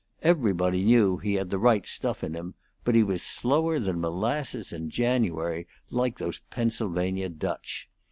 Everybody knew he had the right stuff in him, but he was slower than molasses in January, like those Pennsylvania Dutch.